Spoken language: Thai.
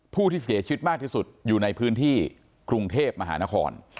ผู้ที่เสียชีวิตมากที่สุดอยู่ในพื้นที่กรุงเทพมหานคร